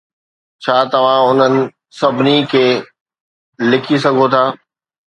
ڇا توهان انهن سڀني کي لکي سگهو ٿا؟